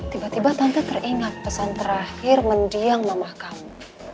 tiba tiba tante teringat pesan terakhir mendiang mamah kamu